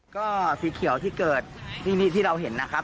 ก็สีเขียวที่เกิดนี่ที่เราเห็นนะครับ